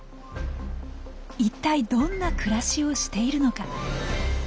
一体どんな暮らしをしているのか。